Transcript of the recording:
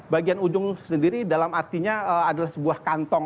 bagian ujung sendiri dalam artinya adalah sebuah kantong